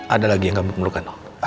ada lagi yang kamu pemerkan